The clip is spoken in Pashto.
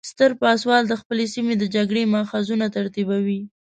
ستر پاسوال د خپلې سیمې د جګړې محاذونه ترتیبوي.